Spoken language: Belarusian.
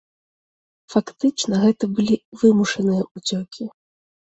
Фактычна гэта былі вымушаныя ўцёкі.